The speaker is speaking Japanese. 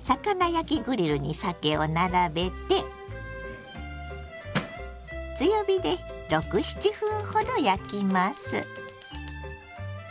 魚焼きグリルにさけを並べて強火で６７分ほど焼きます。